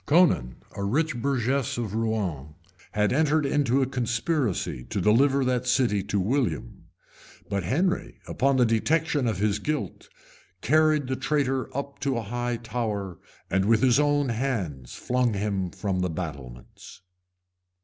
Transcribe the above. Conan, a rich burgess of Rouen, had entered into a conspiracy to deliver that city to William; but Henry, on the detection of his guilt, carried the traitor up to a high tower and with his own hands flung him from the battlements.